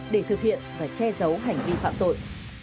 để thực hiện và che giấu hành vi phạm tội